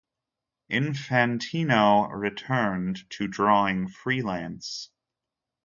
Infantino returned to drawing freelance.